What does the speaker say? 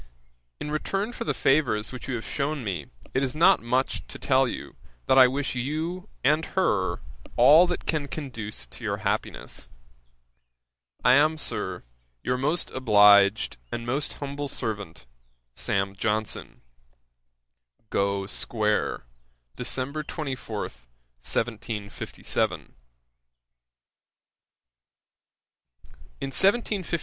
In return for the favours which you have shewn me, it is not much to tell you, that I wish you and her all that can conduce to your happiness. 'I am, Sir, 'Your most obliged, 'And most humble servant, 'SAM. JOHNSON.' 'Gough square, Dec. 24, 1757.' [Page 324: Brothers and sisters. A.D. 1758.